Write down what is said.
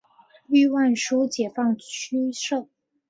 豫皖苏解放区设。